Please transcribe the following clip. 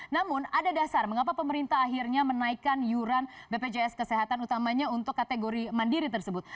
namun ada dasar mengapa pemerintah akhirnya menaikkan yuran bpjs kesehatan utamanya untuk kategori mandiri tersebut